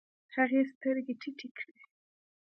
هغې سترګې ټيټې کړې.